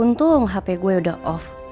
untung hp gue udah off